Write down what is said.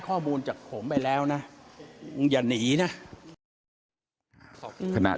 ข้อมูลผมไปแล้วนะ